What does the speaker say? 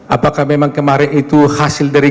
apakah memang kemarin itu hasil dari